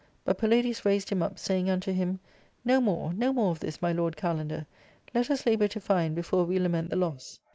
But Palladius raised him up, saying unto him :" No more, no more of this, my lord Kalander, let us la^mif to find before we lament the loss.